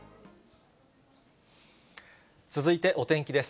続いて、お天気です。